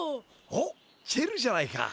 おっチェルじゃないか。